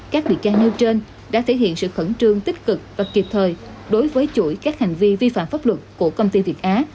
các bị can nêu trên đã thể hiện sự khẩn trương tích cực và kịp thời đối với chuỗi các hành vi vi phạm pháp luật của công ty việt á